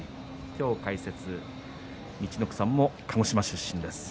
今日の解説、陸奥さんも鹿児島出身です。